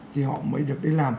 thì họ mới được đi làm